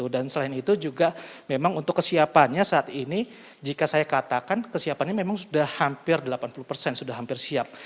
dan selain itu juga memang untuk kesiapannya saat ini jika saya katakan kesiapannya memang sudah hampir delapan puluh persen sudah hampir siap